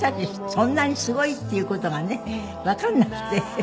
そんなにすごいっていう事がねわからなくて。